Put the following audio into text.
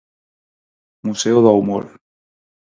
Museo do Humor.